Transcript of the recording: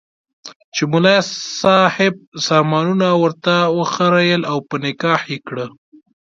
چې ملا صاحب سامانونه ورته وخریېل او په نکاح یې کړه.